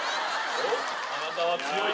あなたは強い！